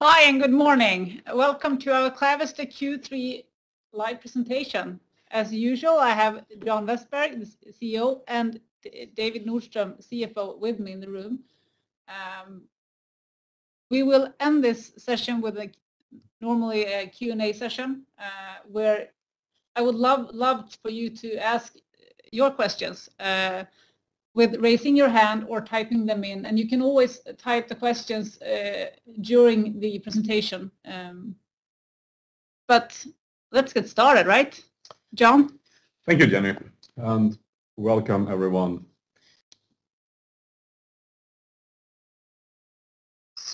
Hi, and good morning. Welcome to our Clavister Q3 live presentation. As usual, I have John Vestberg, the CEO, and David Nordström, CFO, with me in the room. We will end this session with normally a Q&A session, where I would love for you to ask your questions with raising your hand or typing them in. You can always type the questions during the presentation. Let's get started, right? John? Thank you, Jenny, and welcome everyone.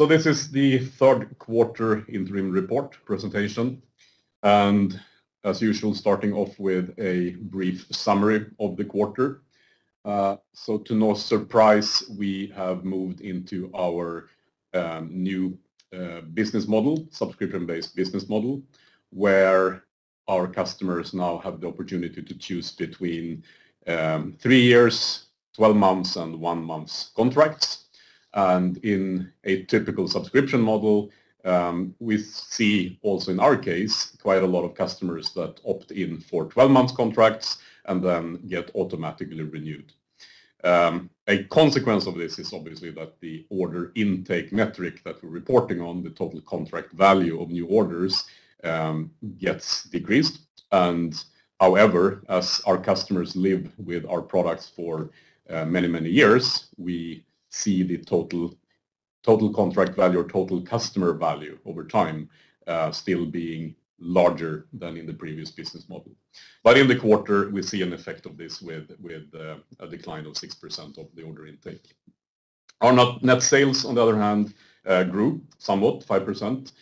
This is the third quarter interim report presentation, and as usual, starting off with a brief summary of the quarter. To no surprise, we have moved into our new business model, subscription-based business model, where our customers now have the opportunity to choose between three years, 12 months, and one month's contracts. In a typical subscription model, we see also in our case, quite a lot of customers that opt in for 12-month contracts and then get automatically renewed. A consequence of this is obviously that the order intake metric that we're reporting on, the total contract value of new orders, gets decreased. However, as our customers live with our products for many, many years, we see the total contract value or total customer value over time still being larger than in the previous business model. In the quarter, we see an effect of this with a decline of 6% of the order intake. Our net sales, on the other hand, grew somewhat 5%.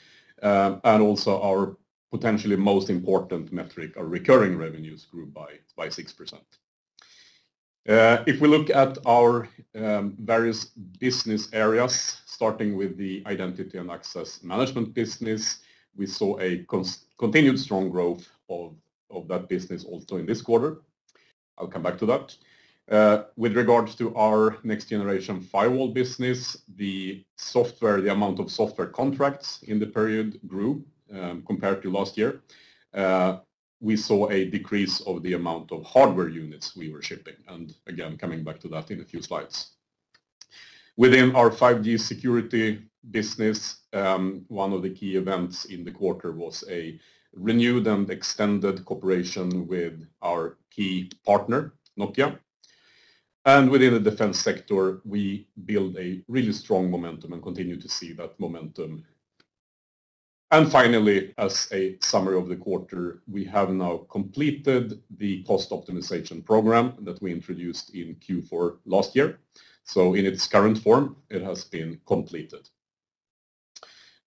Also our potentially most important metric, our recurring revenues grew by 6%. If we look at our various business areas, starting with the identity and access management business, we saw a continued strong growth of that business also in this quarter. I'll come back to that. With regards to our next-generation firewall business, the software, the amount of software contracts in the period grew compared to last year. We saw a decrease of the amount of hardware units we were shipping, and again, coming back to that in a few slides. Within our 5G security business, one of the key events in the quarter was a renewed and extended cooperation with our key partner, Nokia. Within the defense sector, we build a really strong momentum and continue to see that momentum. Finally, as a summary of the quarter, we have now completed the cost optimization program that we introduced in Q4 last year. In its current form, it has been completed.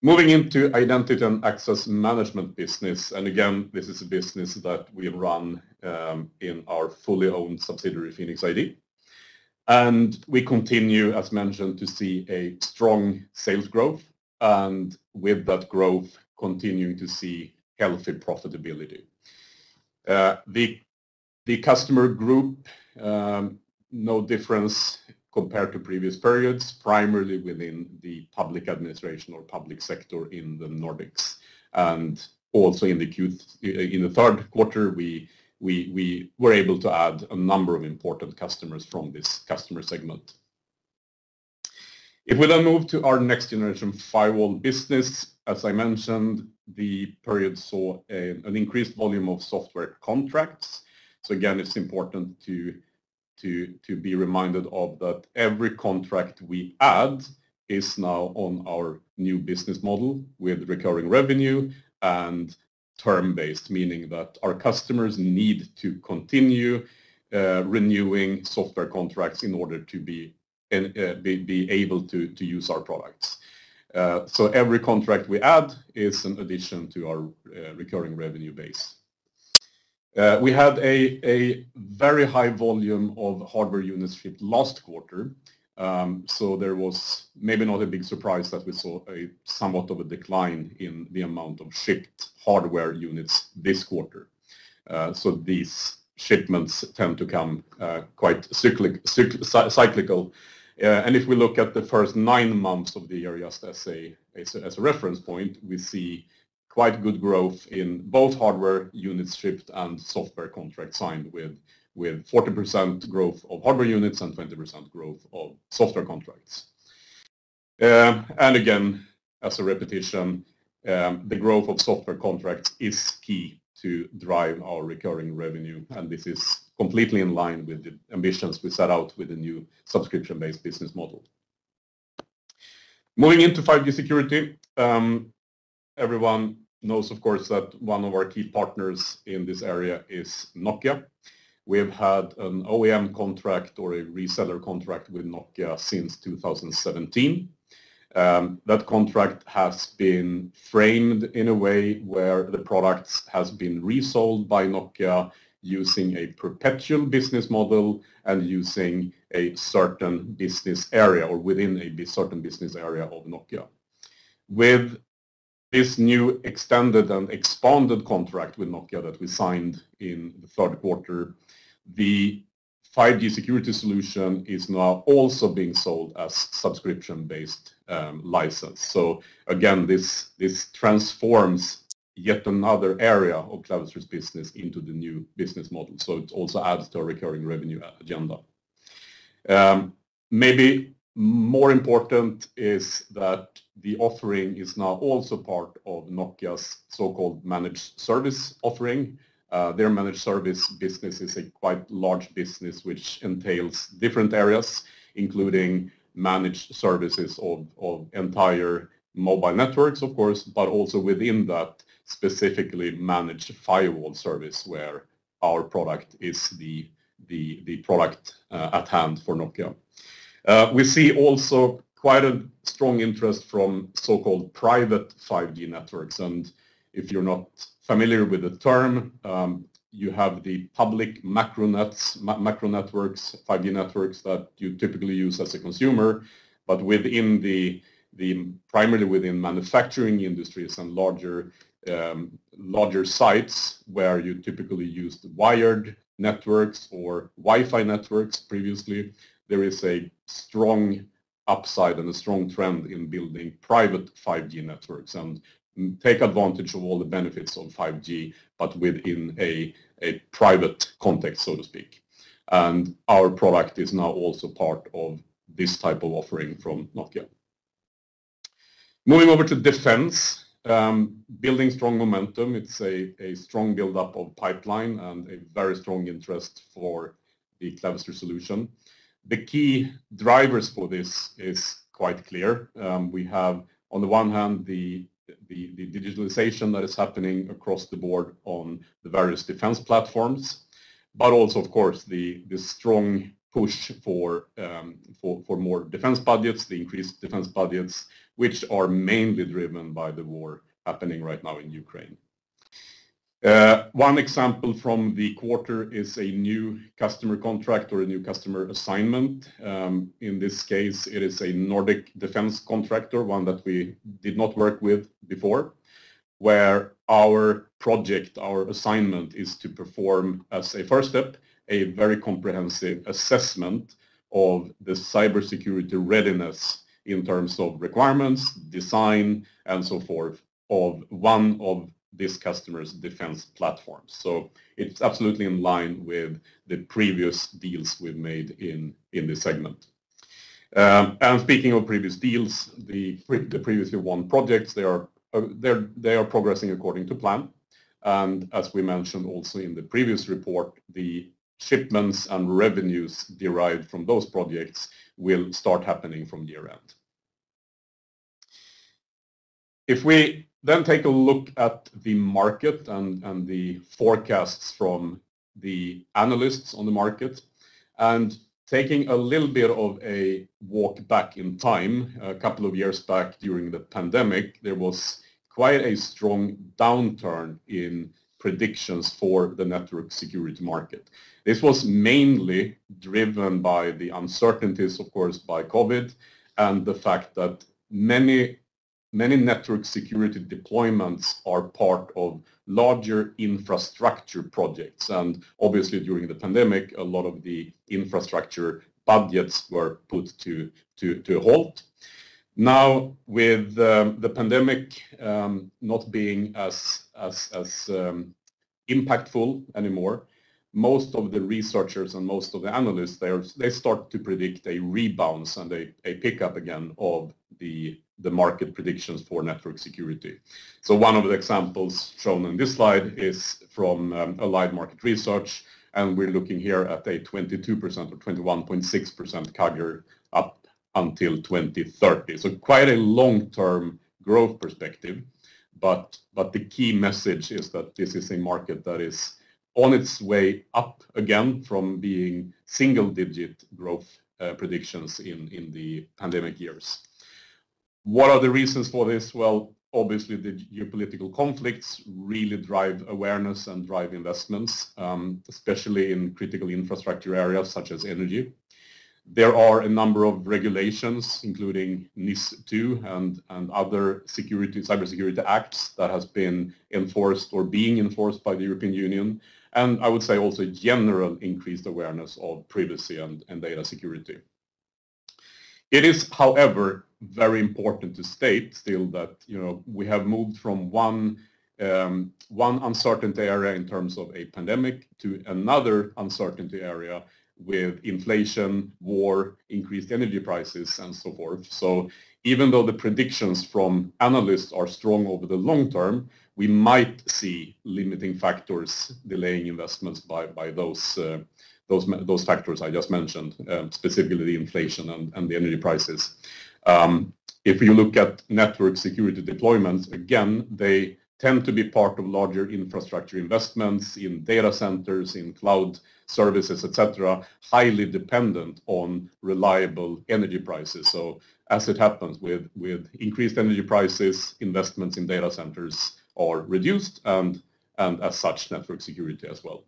Moving into identity and access management business, and again, this is a business that we run in our fully owned subsidiary, PhenixID. We continue, as mentioned, to see a strong sales growth, and with that growth, continuing to see healthy profitability. The customer group no difference compared to previous periods, primarily within the public administration or public sector in the Nordics. Also in the third quarter, we were able to add a number of important customers from this customer segment. If we then move to our next-generation firewall business, as I mentioned, the period saw an increased volume of software contracts. Again, it's important to be reminded of that every contract we add is now on our new business model with recurring revenue and term-based, meaning that our customers need to continue renewing software contracts in order to be able to use our products. Every contract we add is an addition to our recurring revenue base. We had a very high volume of hardware units shipped last quarter. There was maybe not a big surprise that we saw a somewhat of a decline in the amount of shipped hardware units this quarter. These shipments tend to come quite cyclical. If we look at the first nine months of the year just as a reference point, we see quite good growth in both hardware units shipped and software contracts signed with 40% growth of hardware units and 20% growth of software contracts. Again, as a repetition, the growth of software contracts is key to drive our recurring revenue, and this is completely in line with the ambitions we set out with the new subscription-based business model. Moving into 5G security, everyone knows, of course, that one of our key partners in this area is Nokia. We have had an OEM contract or a reseller contract with Nokia since 2017. That contract has been framed in a way where the products has been resold by Nokia using a perpetual business model and using a certain business area or within a certain business area of Nokia. With this new extended and expanded contract with Nokia that we signed in the third quarter, the 5G security solution is now also being sold as subscription-based license. Again, this transforms yet another area of Clavister's business into the new business model. It also adds to our recurring revenue agenda. Maybe more important is that the offering is now also part of Nokia's so-called managed service offering. Their managed service business is a quite large business which entails different areas, including managed services of entire mobile networks, of course, but also within that specifically managed firewall service where our product is the product at hand for Nokia. We see also quite a strong interest from so-called private 5G networks. If you're not familiar with the term, you have the public macro networks, 5G networks that you typically use as a consumer. Primarily within manufacturing industries and larger sites where you typically use wired networks or Wi-Fi networks previously, there is a strong upside and a strong trend in building private 5G networks and take advantage of all the benefits of 5G, but within a private context, so to speak. Our product is now also part of this type of offering from Nokia. Moving over to defense, building strong momentum, it's a strong build-up of pipeline and a very strong interest for the Clavister solution. The key drivers for this is quite clear. We have on the one hand the digitalization that is happening across the board on the various defense platforms, but also of course the strong push for more defense budgets, the increased defense budgets which are mainly driven by the war happening right now in Ukraine. One example from the quarter is a new customer contract or a new customer assignment. In this case it is a Nordic defense contractor, one that we did not work with before, where our project, our assignment is to perform as a first step a very comprehensive assessment of the cybersecurity readiness in terms of requirements, design and so forth of one of this customer's defense platforms. It's absolutely in line with the previous deals we've made in this segment. Speaking of previous deals, the previously won projects, they are progressing according to plan. As we mentioned also in the previous report, the shipments and revenues derived from those projects will start happening from year-end. If we then take a look at the market and the forecasts from the analysts on the market, and taking a little bit of a walk back in time, a couple of years back during the pandemic, there was quite a strong downturn in predictions for the network security market. This was mainly driven by the uncertainties, of course, by COVID and the fact that many network security deployments are part of larger infrastructure projects. Obviously during the pandemic, a lot of the infrastructure budgets were put to a halt. Now with the pandemic not being as impactful anymore, most of the researchers and most of the analysts they start to predict a rebalance and a pickup again of the market predictions for network security. One of the examples shown on this slide is from Allied Market Research. We're looking here at a 22% or 21.6% CAGR up until 2030. Quite a long-term growth perspective, but the key message is that this is a market that is on its way up again from being single-digit growth predictions in the pandemic years. What are the reasons for this? Well, obviously the geopolitical conflicts really drive awareness and drive investments, especially in critical infrastructure areas such as energy. There are a number of regulations including NIS2 and other security, cybersecurity acts that has been enforced or being enforced by the European Union and I would say also general increased awareness of privacy and data security. It is however very important to state still that, you know, we have moved from one uncertainty area in terms of a pandemic to another uncertainty area with inflation, war, increased energy prices and so forth. Even though the predictions from analysts are strong over the long term, we might see limiting factors delaying investments by those factors I just mentioned, specifically inflation and the energy prices. If you look at network security deployments, again they tend to be part of larger infrastructure investments in data centers, in cloud services et cetera, highly dependent on reliable energy prices. As it happens with increased energy prices, investments in data centers are reduced and as such network security as well.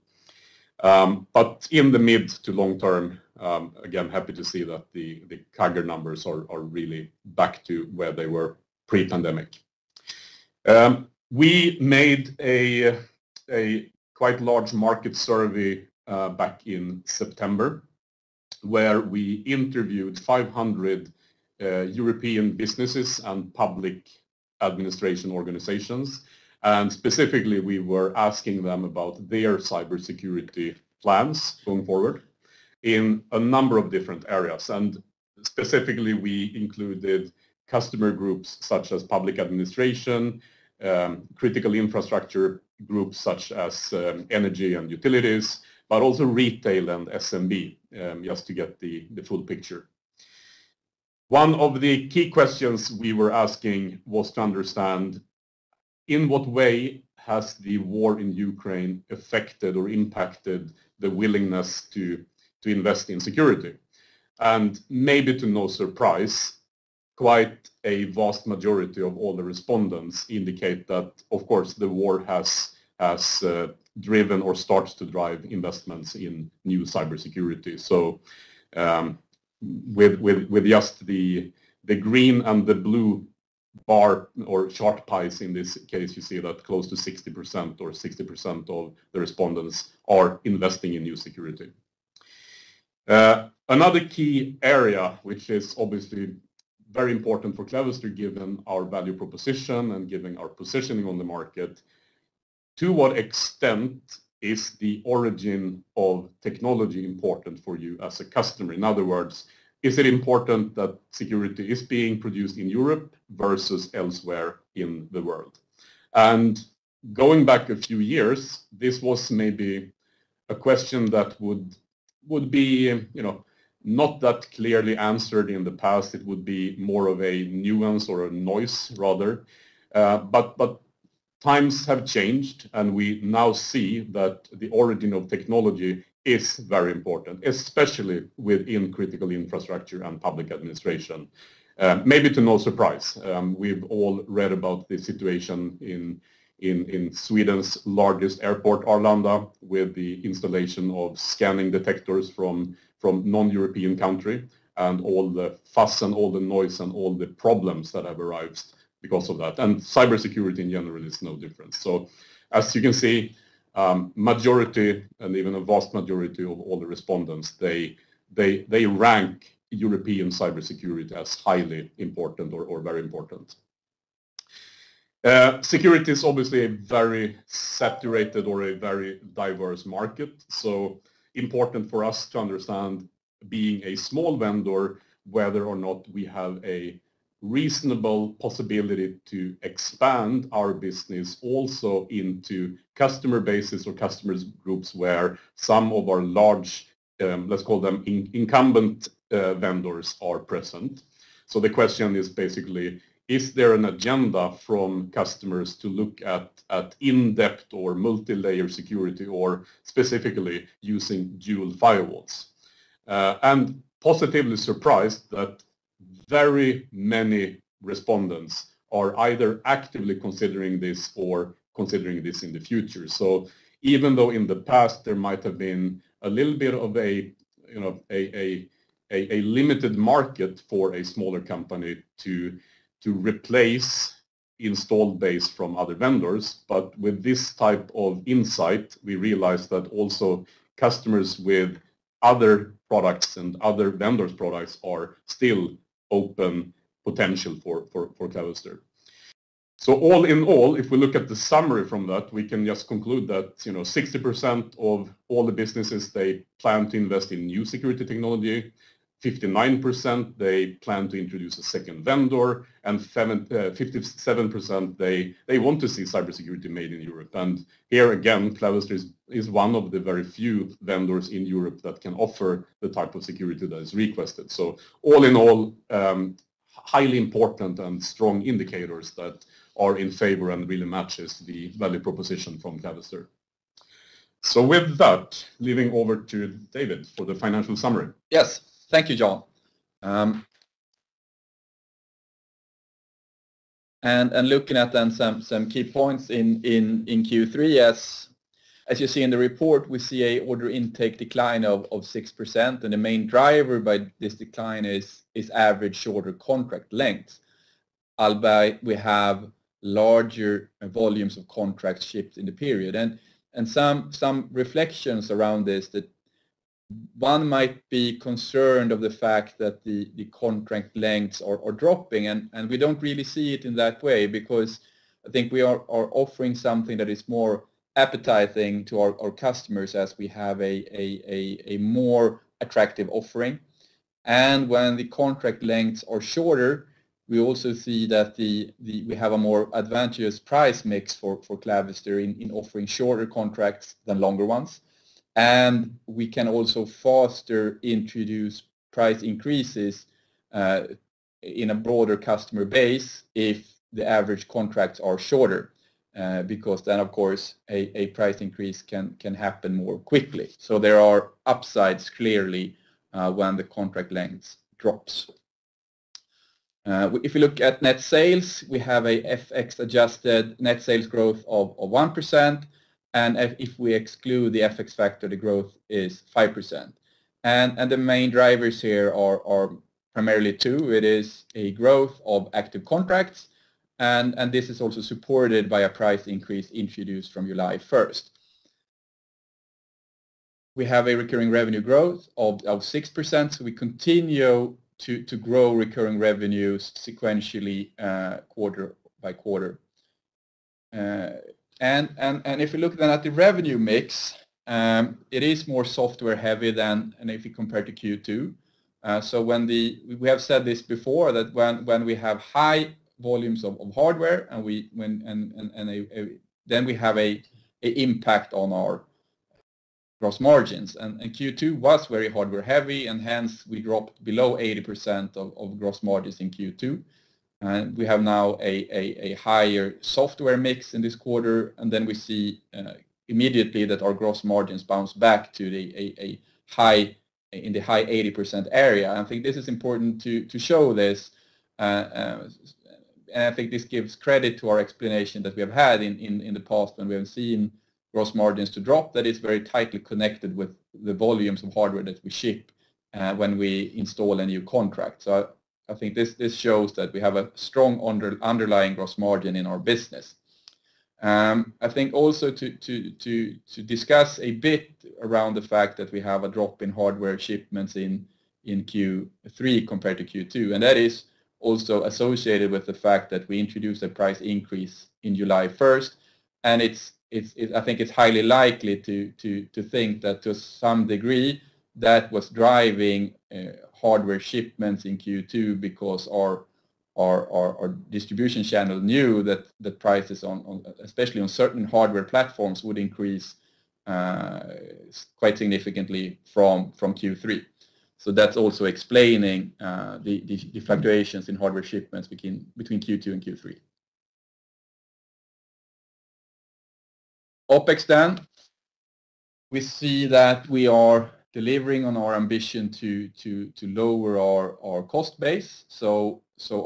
In the mid to long term, again, happy to see that the current numbers are really back to where they were pre-pandemic. We made a quite large market survey back in September, where we interviewed 500 European businesses and public administration organizations. Specifically, we were asking them about their cybersecurity plans going forward in a number of different areas. Specifically, we included customer groups such as public administration, critical infrastructure groups such as energy and utilities, but also retail and SMB, just to get the full picture. One of the key questions we were asking was to understand in what way has the war in Ukraine affected or impacted the willingness to invest in security. Maybe to no surprise, quite a vast majority of all the respondents indicate that, of course, the war has driven or starts to drive investments in new cybersecurity. With just the green and the blue bar or pie charts, in this case, you see that close to 60% or 60% of the respondents are investing in new security. Another key area, which is obviously very important for Clavister, given our value proposition and given our positioning on the market, to what extent is the origin of technology important for you as a customer? In other words, is it important that security is being produced in Europe versus elsewhere in the world? Going back a few years, this was maybe a question that would be, you know, not that clearly answered in the past. It would be more of a nuance or a noise rather. But times have changed, and we now see that the origin of technology is very important, especially within critical infrastructure and public administration. Maybe to no surprise, we've all read about the situation in Sweden's largest airport, Arlanda, with the installation of scanning detectors from non-European country and all the fuss and all the noise and all the problems that have arisen because of that. Cybersecurity in general is no different. As you can see, majority and even a vast majority of all the respondents, they rank European cybersecurity as highly important or very important. Security is obviously a very saturated or a very diverse market. Important for us to understand being a small vendor, whether or not we have a reasonable possibility to expand our business also into customer bases or customer groups where some of our large, let's call them incumbent, vendors are present. The question is basically, is there an agenda from customers to look at in-depth or multilayer security or specifically using dual firewalls? Positively surprised that very many respondents are either actively considering this or considering this in the future. Even though in the past there might have been a little bit of a, you know, a limited market for a smaller company to replace installed base from other vendors. With this type of insight, we realize that also customers with other products and other vendors products are still open potential for Clavister. All in all, if we look at the summary from that, we can just conclude that, you know, 60% of all the businesses they plan to invest in new security technology, 59% they plan to introduce a second vendor, and 57% they want to see cybersecurity made in Europe. Here again, Clavister is one of the very few vendors in Europe that can offer the type of security that is requested. All in all, highly important and strong indicators that are in favor and really matches the value proposition from Clavister. With that, handing over to David for the financial summary. Yes. Thank you, John. Looking at then some key points in Q3. As you see in the report, we see an order intake decline of 6%. The main driver behind this decline is average order contract length, albeit we have larger volumes of contracts shipped in the period. Some reflections around this that one might be concerned about the fact that the contract lengths are dropping and we don't really see it in that way because I think we are offering something that is more appetizing to our customers as we have a more attractive offering. When the contract lengths are shorter, we also see that we have a more advantageous price mix for Clavister in offering shorter contracts than longer ones. We can also faster introduce price increases in a broader customer base if the average contracts are shorter. Because then of course a price increase can happen more quickly. There are upsides clearly when the contract lengths drops. If you look at net sales, we have a FX adjusted net sales growth of 1%, and if we exclude the FX factor, the growth is 5%. The main drivers here are primarily two. It is a growth of active contracts and this is also supported by a price increase introduced from July 1st. We have a recurring revenue growth of 6%. We continue to grow recurring revenues sequentially quarter by quarter. If you look then at the revenue mix, it is more software heavy than if you compare to Q2. We have said this before, that when we have high volumes of hardware, then we have an impact on our gross margins. Q2 was very hardware heavy and hence we dropped below 80% of gross margins in Q2. We have now a higher software mix in this quarter, and then we see immediately that our gross margins bounce back to the high, in the high 80% area. I think this is important to show this, and I think this gives credit to our explanation that we have had in the past when we have seen gross margins to drop that is very tightly connected with the volumes of hardware that we ship, when we install a new contract. I think this shows that we have a strong underlying gross margin in our business. I think also to discuss a bit around the fact that we have a drop in hardware shipments in Q3 compared to Q2, and that is also associated with the fact that we introduced a price increase in July 1st. It's highly likely to think that to some degree that was driving hardware shipments in Q2 because our distribution channel knew that the prices on especially on certain hardware platforms would increase quite significantly from Q3. That's also explaining the fluctuations in hardware shipments between Q2 and Q3. OpEx then. We see that we are delivering on our ambition to lower our cost base.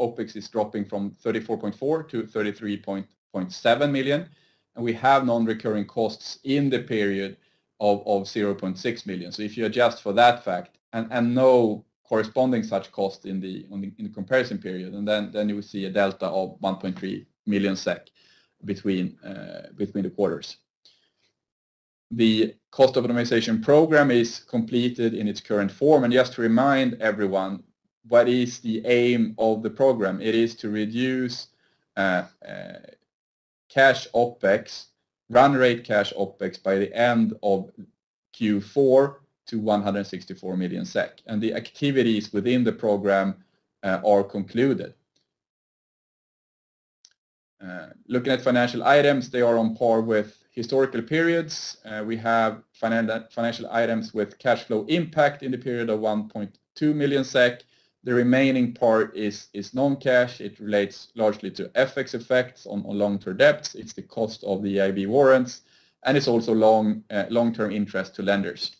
OpEx is dropping from 34.4 million to 33.7 million, and we have non-recurring costs in the period of 0.6 million. If you adjust for that fact and no corresponding such cost in the comparison period, then you will see a delta of 1.3 million SEK between the quarters. The cost optimization program is completed in its current form. Just to remind everyone what is the aim of the program, it is to reduce cash OpEx, run rate cash OpEx by the end of Q4 to 164 million SEK, and the activities within the program are concluded. Looking at financial items, they are on par with historical periods. We have financial items with cash flow impact in the period of 1.2 million SEK. The remaining part is non-cash. It relates largely to FX effects on long-term debts. It's the cost of the EIB warrants, and it's also long-term interest to lenders.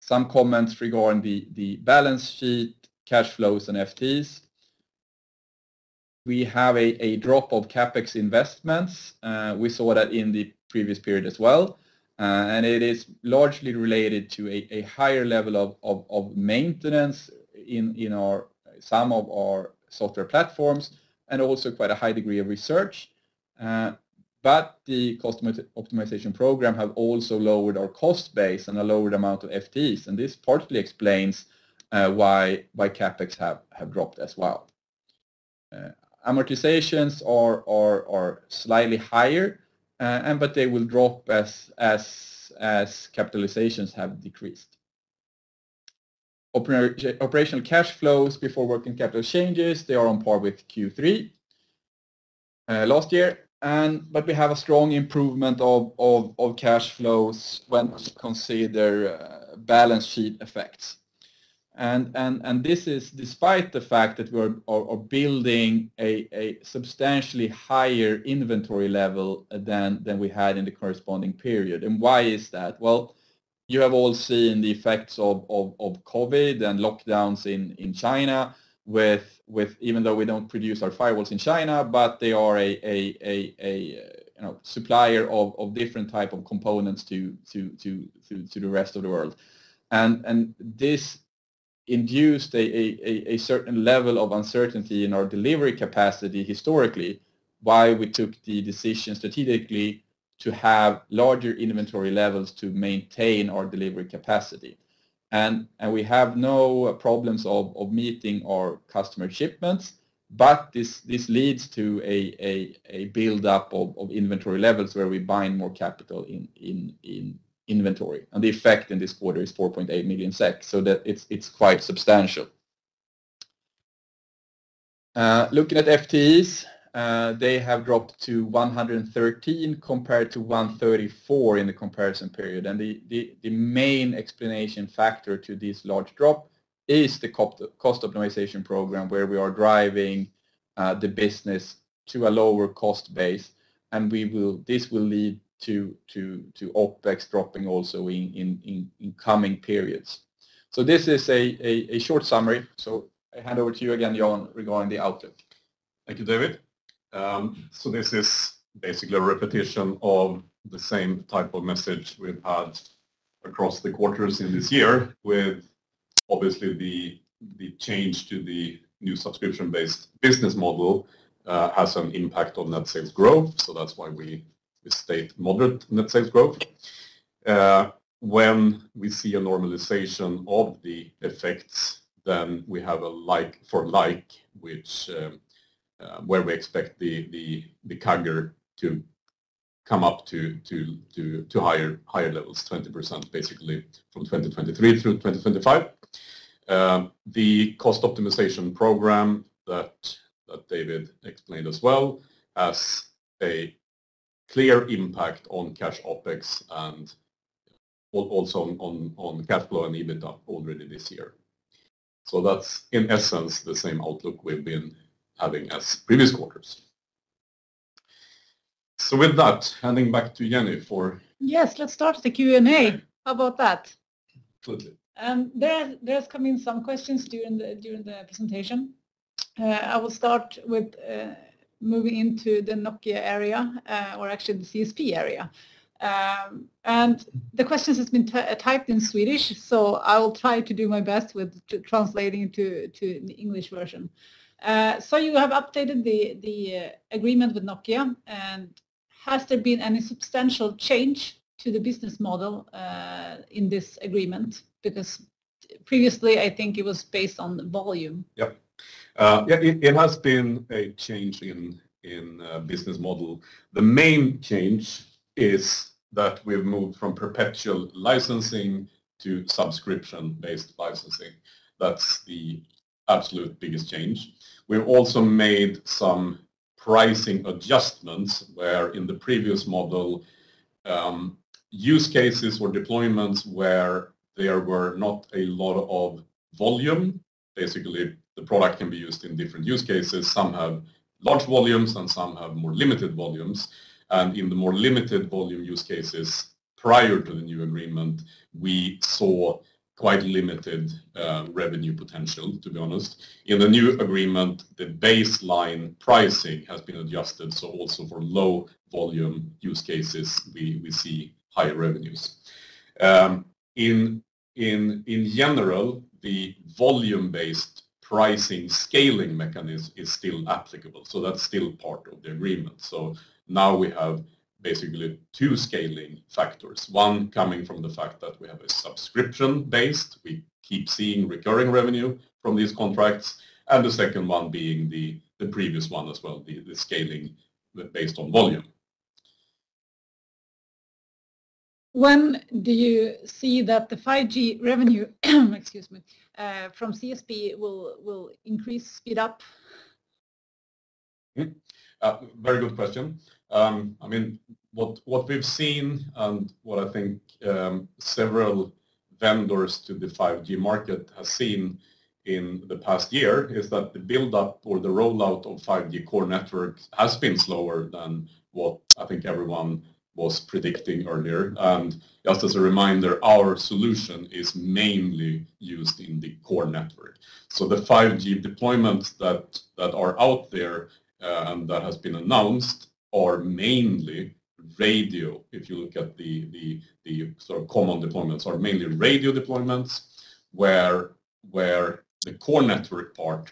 Some comments regarding the balance sheet, cash flows, and FTEs. We have a drop of CapEx investments. We saw that in the previous period as well. It is largely related to a higher level of maintenance in some of our software platforms and also quite a high degree of research. But the cost optimization program have also lowered our cost base and a lowered amount of FTEs, and this partially explains why CapEx have dropped as well. Amortizations are slightly higher, and but they will drop as capitalizations have decreased. Operational cash flows before working capital changes, they are on par with Q3 last year, but we have a strong improvement of cash flows when consider balance sheet effects. This is despite the fact that we're building a substantially higher inventory level than we had in the corresponding period. Why is that? Well, you have all seen the effects of COVID and lockdowns in China with even though we don't produce our firewalls in China, but they are a you know supplier of different type of components to the rest of the world. This induced a certain level of uncertainty in our delivery capacity historically, why we took the decision strategically to have larger inventory levels to maintain our delivery capacity. We have no problems of meeting our customer shipments, but this leads to a build-up of inventory levels where we bind more capital in inventory. The effect in this quarter is 4.8 million SEK, so it's quite substantial. Looking at FTEs, they have dropped to 113 compared to 134 in the comparison period. The main explanation factor to this large drop is the cost optimization program, where we are driving the business to a lower cost base, and this will lead to OpEx dropping also in coming periods. This is a short summary. I hand over to you again, John, regarding the outlook. Thank you, David. This is basically a repetition of the same type of message we've had across the quarters in this year with obviously the change to the new subscription-based business model has an impact on net sales growth. That's why we state moderate net sales growth. When we see a normalization of the effects, then we have a like for like, which where we expect the CAGR to come up to higher levels, 20%, basically from 2023 through 2025. The cost optimization program that David explained as well has a clear impact on cash OpEx and also on cash flow and EBITDA already this year. That's in essence the same outlook we've been having as previous quarters. With that, handing back to Jenny for- Yes, let's start the Q&A. How about that? Good. There have come in some questions during the presentation. I will start with moving into the Nokia area, or actually the CSP area. The questions have been typed in Swedish, so I will try to do my best with translating to the English version. You have updated the agreement with Nokia and has there been any substantial change to the business model in this agreement? Because previously, I think it was based on volume. Yeah, it has been a change in business model. The main change is that we've moved from perpetual licensing to subscription-based licensing. That's the absolute biggest change. We've also made some pricing adjustments where in the previous model, use cases or deployments where there were not a lot of volume. Basically, the product can be used in different use cases. Some have large volumes and some have more limited volumes. In the more limited volume use cases, prior to the new agreement, we saw quite limited revenue potential, to be honest. In the new agreement, the baseline pricing has been adjusted, so also for low volume use cases, we see higher revenues. In general, the volume-based pricing scaling mechanism is still applicable, so that's still part of the agreement. Now we have basically two scaling factors, one coming from the fact that we have a subscription-based. We keep seeing recurring revenue from these contracts, and the second one being the previous one as well, the scaling based on volume. When do you see that the 5G revenue, excuse me, from CSP will increase, speed up? Very good question. I mean, what we've seen and what I think several vendors to the 5G market have seen in the past year is that the build-up or the rollout of 5G core network has been slower than what I think everyone was predicting earlier. Just as a reminder, our solution is mainly used in the core network. The 5G deployments that are out there that has been announced are mainly radio. If you look at the sort of common deployments are mainly radio deployments, where the core network part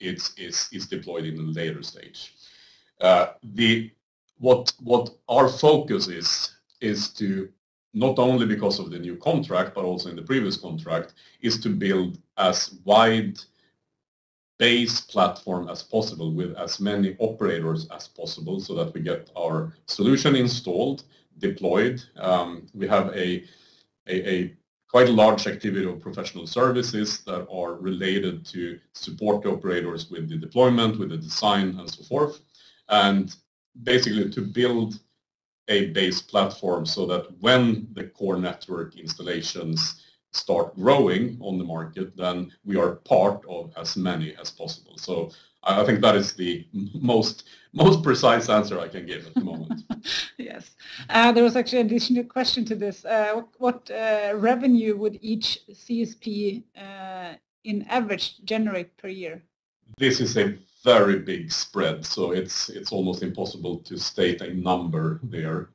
is deployed in a later stage. What our focus is to, not only because of the new contract but also in the previous contract, is to build as wide base platform as possible with as many operators as possible so that we get our solution installed, deployed. We have a quite large activity of professional services that are related to support operators with the deployment, with the design, and so forth. Basically, to build a base platform so that when the core network installations start growing on the market, then we are part of as many as possible. So I think that is the most precise answer I can give at the moment. Yes. There was actually an additional question to this. What revenue would each CSP in average generate per year? This is a very big spread, so it's almost impossible to state a number there.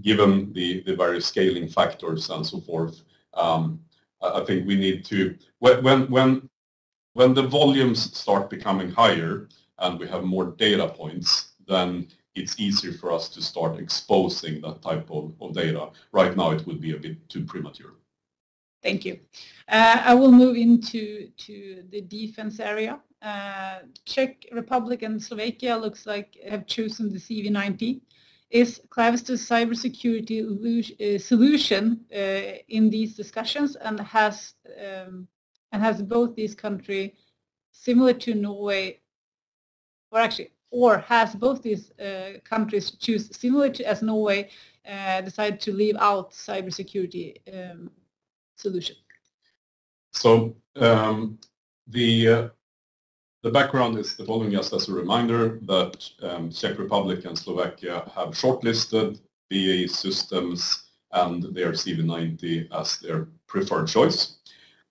Given the various scaling factors and so forth, I think we need to, when the volumes start becoming higher and we have more data points, then it's easier for us to start exposing that type of data. Right now, it would be a bit too premature. Thank you. I will move into the defense area. Czech Republic and Slovakia looks like have chosen the CV90. Is Clavister's cybersecurity solution in these discussions and has both these countries choose similar to Norway or actually or has both these countries choose similar to as Norway decide to leave out cybersecurity solution? The background is the following, just as a reminder, that Czech Republic and Slovakia have shortlisted BAE Systems and their CV90 as their preferred choice.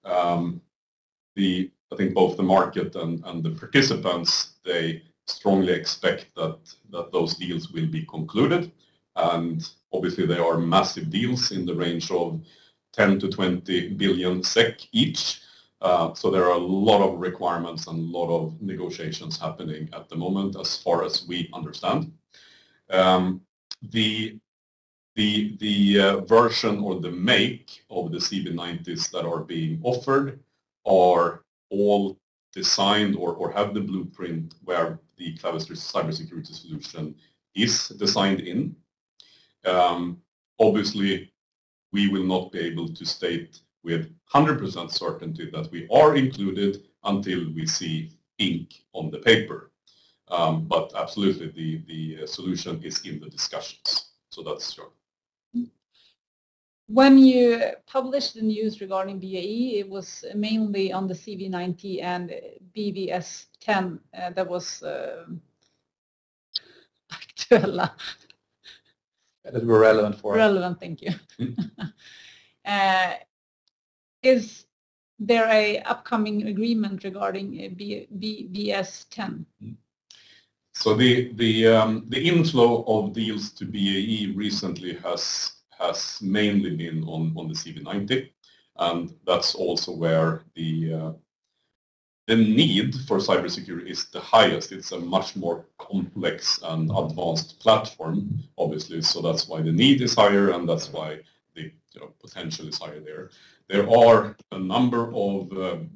I think both the market and the participants strongly expect that those deals will be concluded. Obviously they are massive deals in the range of 10 billion-20 billion SEK each. There are a lot of requirements and a lot of negotiations happening at the moment as far as we understand. The version or the make of the CV90s that are being offered are all designed or have the blueprint where the Clavister cybersecurity solution is designed in. Obviously, we will not be able to state with 100% certainty that we are included until we see ink on the paper. Absolutely the solution is in the discussions. That's true. When you published the news regarding BAE, it was mainly on the CV90 and BvS10 that was, aktuella. That were relevant for us. Relevant. Thank you. Is there a upcoming agreement regarding BvS10? The inflow of deals to BAE recently has mainly been on the CV90, and that's also where the need for cybersecurity is the highest. It's a much more complex and advanced platform, obviously. That's why the need is higher, and that's why you know, potential is higher there. There are a number of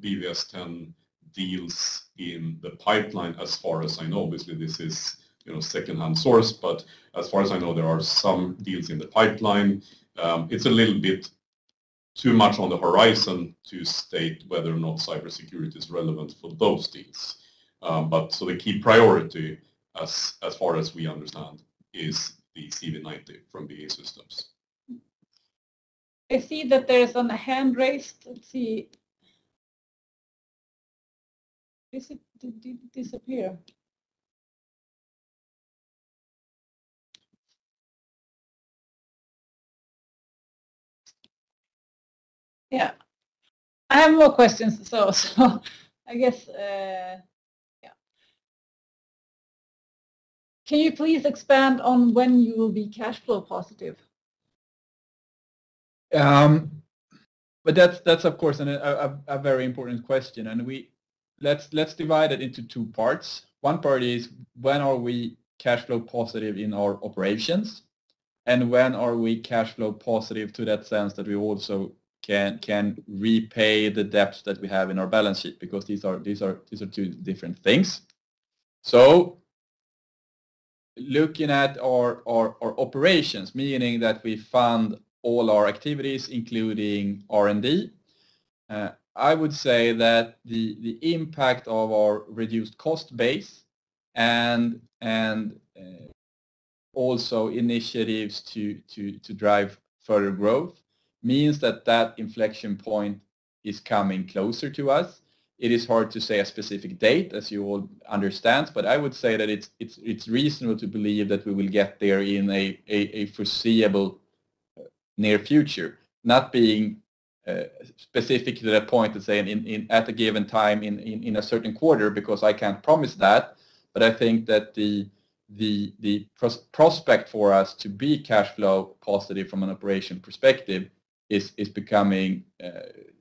BvS10 deals in the pipeline, as far as I know. Obviously, this is you know, second-hand source, but as far as I know, there are some deals in the pipeline. It's a little bit too much on the horizon to state whether or not cybersecurity is relevant for those deals. The key priority as far as we understand, is the CV90 from BAE Systems. I see that there is a hand raised. Let's see. Did it disappear? Yeah. I have more questions, so I guess, yeah. Can you please expand on when you will be cash flow positive? That's of course a very important question. Let's divide it into two parts. One part is when are we cash flow positive in our operations, and when are we cash flow positive in that sense that we also can repay the debt that we have in our balance sheet because these are two different things. Looking at our operations, meaning that we fund all our activities, including R&D, I would say that the impact of our reduced cost base and also initiatives to drive further growth means that inflection point is coming closer to us. It is hard to say a specific date, as you all understand, but I would say that it's reasonable to believe that we will get there in a foreseeable near future. Not being specific to that point to say at a given time in a certain quarter, because I can't promise that. But I think that the prospect for us to be cash flow positive from an operation perspective is becoming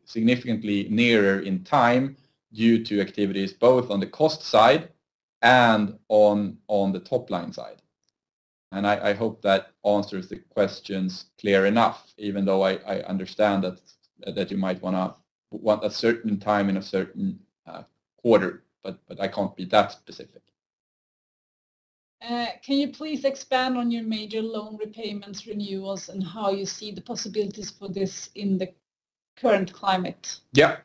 significantly nearer in time due to activities both on the cost side and on the top-line side. I hope that answers the questions clear enough, even though I understand that you might want a certain time in a certain quarter, but I can't be that specific. Can you please expand on your major loan repayments, renewals, and how you see the possibilities for this in the current climate? Yeah.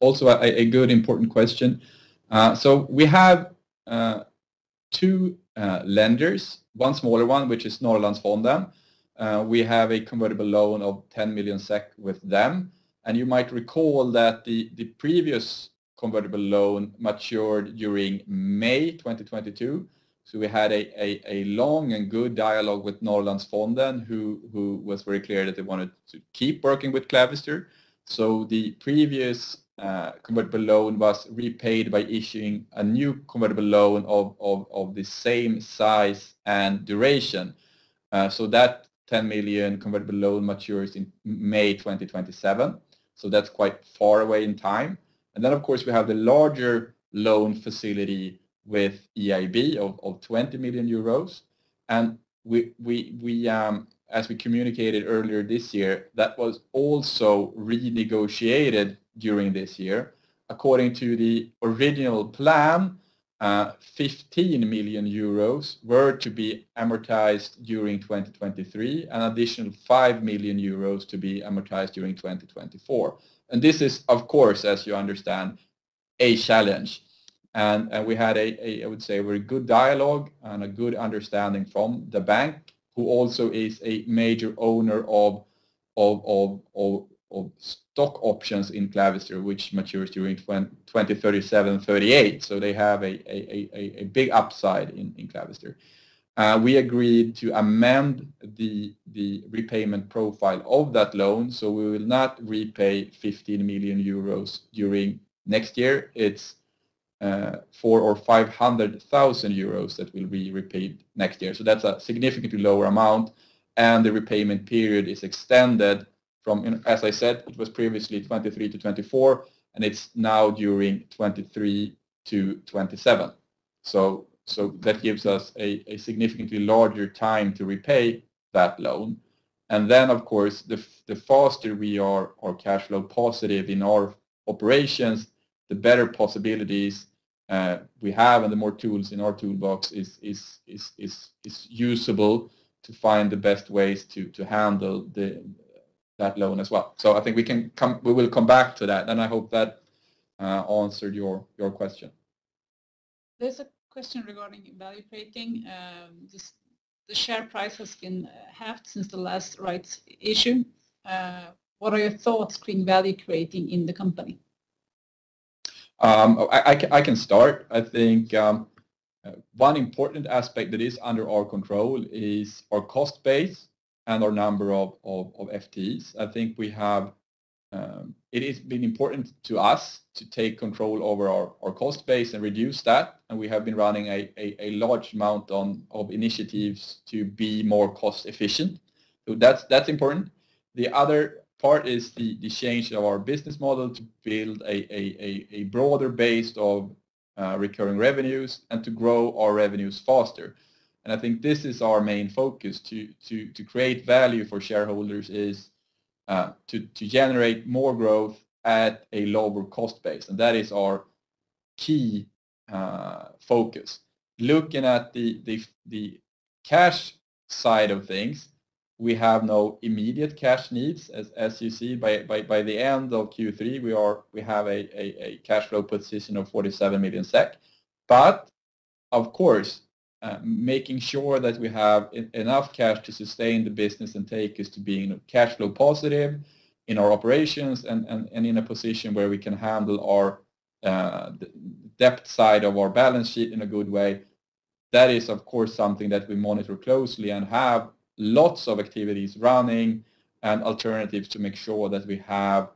Also a good important question. We have two lenders, one smaller one, which is Norrlandsfonden. We have a convertible loan of 10 million SEK with them. You might recall that the previous convertible loan matured during May 2022. We had a long and good dialogue with Norrlandsfonden who was very clear that they wanted to keep working with Clavister. The previous convertible loan was repaid by issuing a new convertible loan of the same size and duration. That 10 million convertible loan matures in May 2027. That's quite far away in time. Of course, we have the larger loan facility with EIB of 20 million euros. As we communicated earlier this year, that was also renegotiated during this year. According to the original plan, 15 million euros were to be amortized during 2023, an additional 5 million euros to be amortized during 2024. This is, of course, as you understand, a challenge. We had, I would say, a very good dialogue and a good understanding from the bank, who also is a major owner of stock options in Clavister, which matures during 2037, 2038. They have a big upside in Clavister. We agreed to amend the repayment profile of that loan, so we will not repay 50 million euros during next year. It's 400,000 or 500,000 euros that will be repaid next year. That's a significantly lower amount, and the repayment period is extended from, as I said, it was previously 2023-2024, and it's now during 2023-2027. That gives us a significantly larger time to repay that loan. Of course, the faster we are cash flow positive in our operations, the better possibilities we have, and the more tools in our toolbox is usable to find the best ways to handle that loan as well. I think we will come back to that, and I hope that answered your question. There's a question regarding value creating. The share price has been halved since the last rights issue. What are your thoughts re value creating in the company? I can start. I think one important aspect that is under our control is our cost base and our number of FTEs. It has been important to us to take control over our cost base and reduce that, and we have been running a large amount of initiatives to be more cost efficient. That's important. The other part is the change of our business model to build a broader base of recurring revenues and to grow our revenues faster. I think this is our main focus to create value for shareholders is to generate more growth at a lower cost base. That is our key focus. Looking at the cash side of things, we have no immediate cash needs. As you see by the end of Q3, we have a cash flow position of 47 million SEK. But of course, making sure that we have enough cash to sustain the business and take us to being cash flow positive in our operations and in a position where we can handle our the debt side of our balance sheet in a good way. That is, of course, something that we monitor closely and have lots of activities running and alternatives to make sure that we have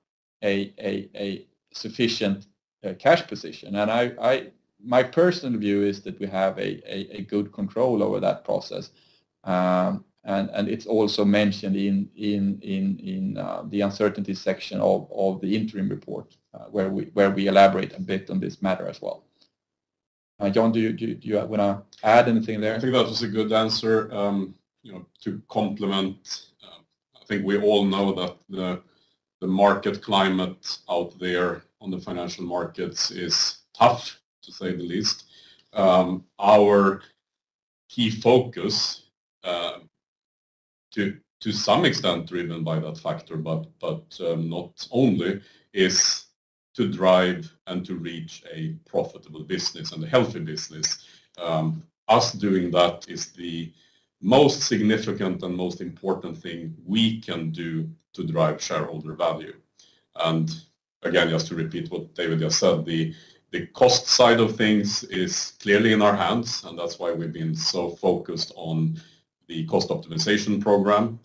a sufficient cash position. My personal view is that we have a good control over that process. It's also mentioned in the uncertainty section of the interim report, where we elaborate a bit on this matter as well. John, do you wanna add anything there? I think that was a good answer. You know, to complement, I think we all know that the market climate out there on the financial markets is tough, to say the least. Our key focus, to some extent driven by that factor, but not only, is to drive and to reach a profitable business and a healthy business. Us doing that is the most significant and most important thing we can do to drive shareholder value. Again, just to repeat what David just said, the cost side of things is clearly in our hands, and that's why we've been so focused on the cost optimization program,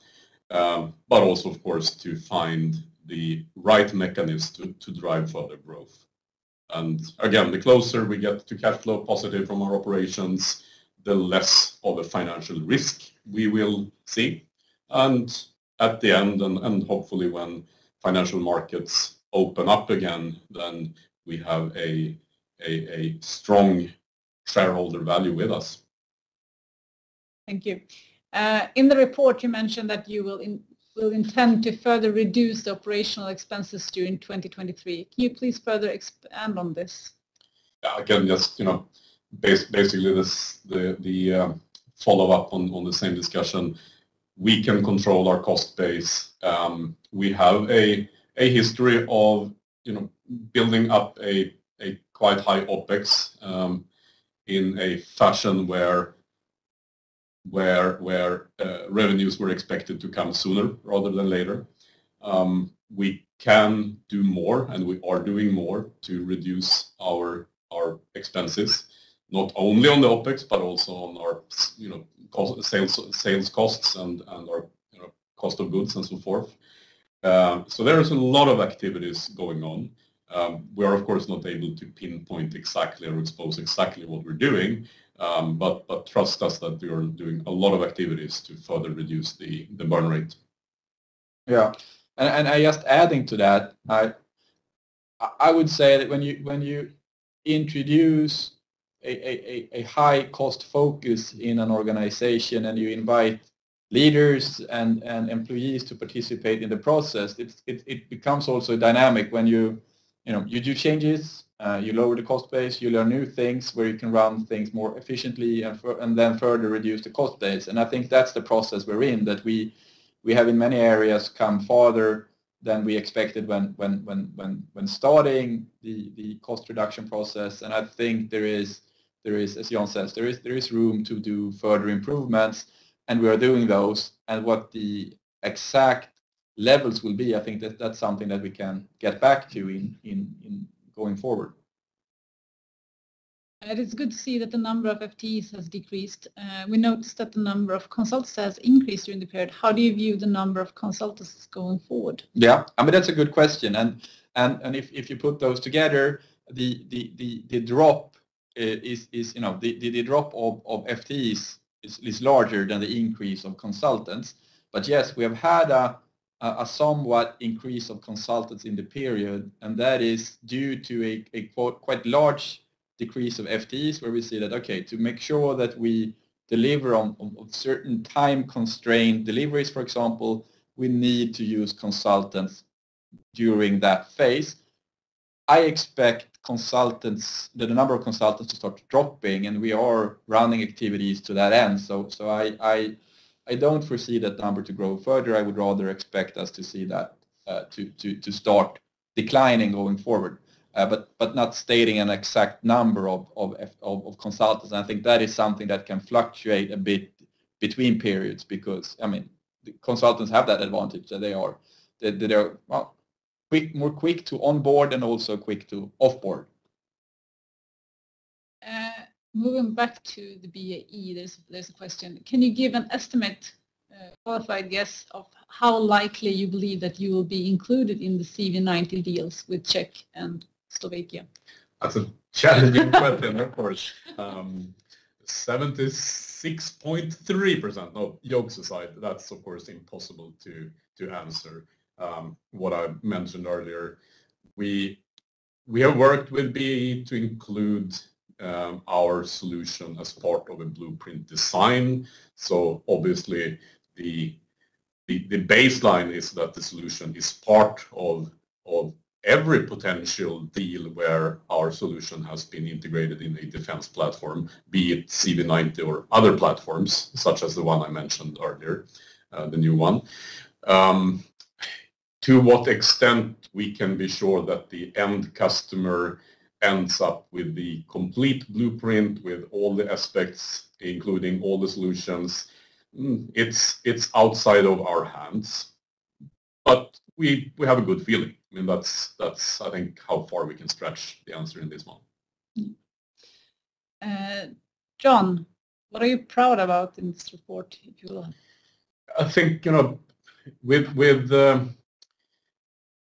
but also, of course, to find the right mechanisms to drive further growth. Again, the closer we get to cash flow positive from our operations, the less of a financial risk we will see. At the end, and hopefully when financial markets open up again, then we have a strong shareholder value with us. Thank you. In the report, you mentioned that you will intend to further reduce the operational expenses during 2023. Can you please further expand on this? Yeah. Again, just, you know, basically this, the follow-up on the same discussion. We can control our cost base. We have a history of, you know, building up a quite high OpEx in a fashion where revenues were expected to come sooner rather than later. We can do more, and we are doing more to reduce our expenses, not only on the OpEx, but also on our you know, sales costs and our you know, cost of goods and so forth. There is a lot of activities going on. We are of course not able to pinpoint exactly or expose exactly what we're doing, but trust us that we are doing a lot of activities to further reduce the burn rate. Yeah. I would say that when you introduce a high cost focus in an organization and you invite leaders and employees to participate in the process, it becomes also dynamic when you know you do changes, you lower the cost base, you learn new things where you can run things more efficiently and further reduce the cost base. I think that's the process we're in, that we have in many areas come farther than we expected when starting the cost reduction process, and I think there is, as John Vestberg says, room to do further improvements, and we are doing those. What the exact levels will be, I think that's something that we can get back to in going forward. It's good to see that the number of FTEs has decreased. We noticed that the number of consultants has increased during the period. How do you view the number of consultants going forward? Yeah. I mean, that's a good question. If you put those together, the drop is, you know, the drop of FTEs is larger than the increase of consultants. Yes, we have had a somewhat increase of consultants in the period, and that is due to a quite large decrease of FTEs where we see that, okay, to make sure that we deliver on certain time constraint deliveries, for example, we need to use consultants during that phase. I expect that the number of consultants to start dropping, and we are rounding activities to that end. I don't foresee that number to grow further. I would rather expect us to see that to start declining going forward. Not stating an exact number of consultants, and I think that is something that can fluctuate a bit between periods because, I mean, consultants have that advantage that they are, well, quick, more quick to onboard and also quick to off-board. Moving back to the BAE, there's a question. Can you give an estimate, qualified guess of how likely you believe that you will be included in the CV90 deals with Czech and Slovakia? That's a challenging question, of course. 76.3%. No, jokes aside, that's of course impossible to answer. What I mentioned earlier, we have worked with BAE to include our solution as part of a blueprint design. So obviously, the baseline is that the solution is part of every potential deal where our solution has been integrated in a defense platform, be it CV90 or other platforms, such as the one I mentioned earlier, the new one. To what extent we can be sure that the end customer ends up with the complete blueprint, with all the aspects, including all the solutions, it's outside of our hands. But we have a good feeling. I mean, that's I think how far we can stretch the answer in this one. John, what are you proud about in this report you done? I think, you know,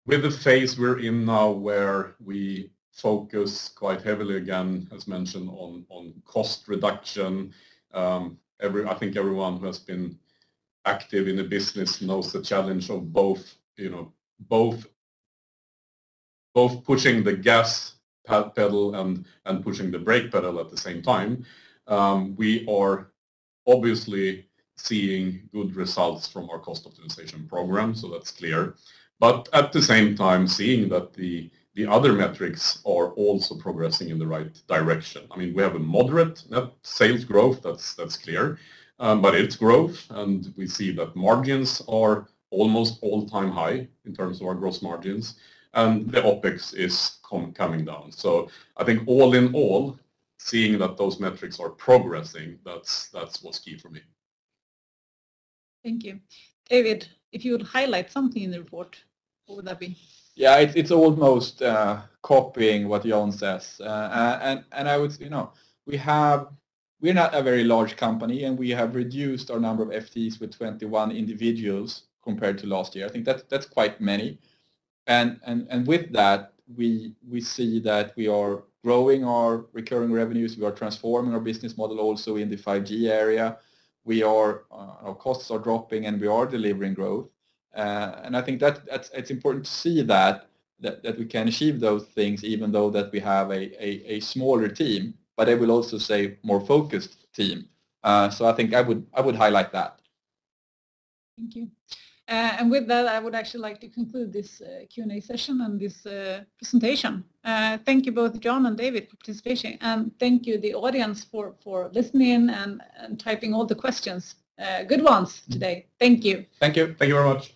with the phase we're in now, where we focus quite heavily again, as mentioned, on cost reduction. I think everyone who has been active in the business knows the challenge of both, you know, pushing the gas pedal and pushing the brake pedal at the same time. We are obviously seeing good results from our cost optimization program, so that's clear. At the same time, seeing that the other metrics are also progressing in the right direction. I mean, we have a moderate net sales growth, that's clear. It's growth, and we see that margins are almost all-time high in terms of our gross margins, and the OpEx is coming down. I think all in all, seeing that those metrics are progressing, that's what's key for me. Thank you. David, if you would highlight something in the report, what would that be? Yeah. It's almost copying what John says. I would say, you know, we have, we're not a very large company, and we have reduced our number of FTEs with 21 individuals compared to last year. I think that's quite many. With that, we see that we are growing our recurring revenues. We are transforming our business model also in the 5G area. Our costs are dropping, and we are delivering growth. I think that's important to see that we can achieve those things even though that we have a smaller team, but I will also say more focused team. I think I would highlight that. Thank you. With that, I would actually like to conclude this Q&A session and this presentation. Thank you both, John and David, for participating. Thank you, the audience, for listening and typing all the questions. Good ones today. Thank you. Thank you. Thank you very much.